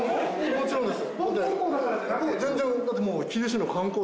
もちろんです。